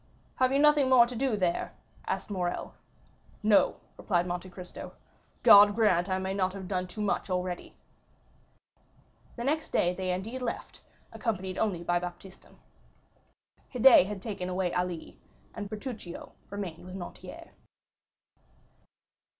"Have you nothing more to do there?" asked Morrel. "No," replied Monte Cristo; "God grant I may not have done too much already." The next day they indeed left, accompanied only by Baptistin. Haydée had taken away Ali, and Bertuccio remained with Noirtier.